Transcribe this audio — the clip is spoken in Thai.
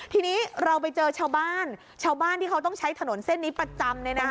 ทีนี้เราไปเจอชาวบ้านชาวบ้านที่เขาต้องใช้ถนนเส้นนี้ประจำ